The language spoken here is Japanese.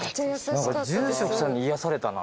住職さんに癒やされたな。